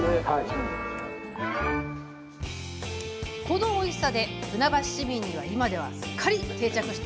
このおいしさで船橋市民に今では、すっかり定着。